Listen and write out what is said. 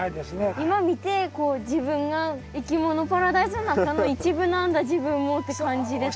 今見てこう自分がいきものパラダイスの中の一部なんだ自分もって感じです。